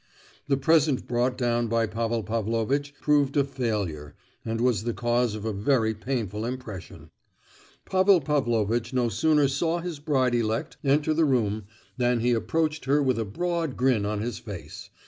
The present brought down by Pavel Pavlovitch proved a failure, and was the cause of a very painful impression. Pavel Pavlovitch no sooner saw his bride elect enter the room than he approached her with a broad grin on his face.